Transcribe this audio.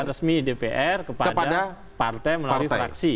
resmi dpr kepada partai melalui fraksi